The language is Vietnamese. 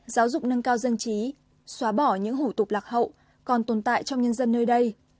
giáo dục nâng cao dân trí xóa bỏ những hủ tục lạc hậu còn tồn tại trong nhân dân nơi đây